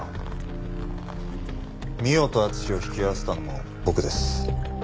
美緒と敦を引き合わせたのも僕です。